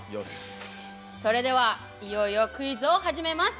それでは、いよいよクイズを始めます。